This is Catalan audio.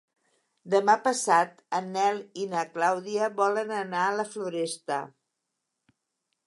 Demà passat en Nel i na Clàudia volen anar a la Floresta.